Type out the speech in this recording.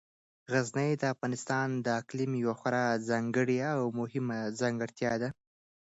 غزني د افغانستان د اقلیم یوه خورا ځانګړې او مهمه ځانګړتیا ده.